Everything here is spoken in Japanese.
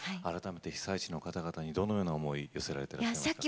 改めて被災地の方々にどのような思いを寄せられていますか。